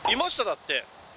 だって。